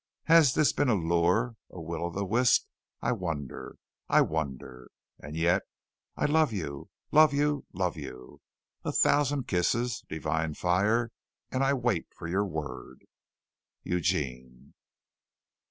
Has this been a lure a will o' the wisp? I wonder. I wonder. And yet I love you, love you, love you. A thousand kisses, Divine Fire, and I wait for your word. "Eugene."